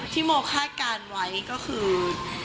โมคาดการณ์ไว้ก็คือ